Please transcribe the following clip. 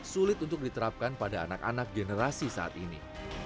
sulit untuk diterapkan pada anak anak generasi saat ini